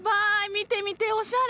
見て見ておしゃれ！